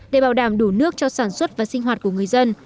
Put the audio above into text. để bảo đảm đủ nước cho sản xuất và sinh hoạt của người dân